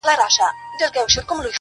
خو لا نن هم دی رواج د اوسنیو-